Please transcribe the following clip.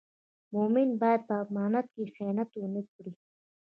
مومن باید په امانت کې خیانت و نه کړي.